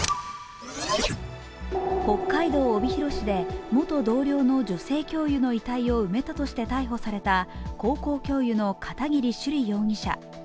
北海道帯広市で元同僚の女性教諭の遺体を埋めたとして逮捕された高校教諭の片桐朱璃容疑者。